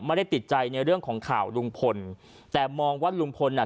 ไม่ได้ติดใจในเรื่องของข่าวลุงพลแต่มองว่าลุงพลน่ะ